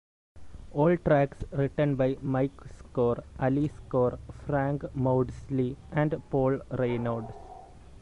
All tracks written by Mike Score, Ali Score, Frank Maudsley and Paul Reynolds.